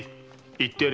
行ってやれ。